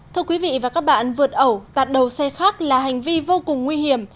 thưa quý vị và các bạn vượt ẩu tạt đầu xe khác là hành vi vô cùng nguy hiểm